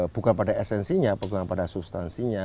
bukan pada esensinya bukan pada substansinya